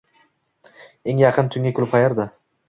Eng yaqin tunggi klub qayerda?